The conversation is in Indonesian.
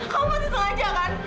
kamu pasti sengaja kan